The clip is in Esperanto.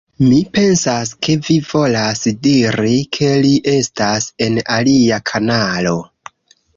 Mi pensas, ke vi volas diri, ke li estas en alia kanalo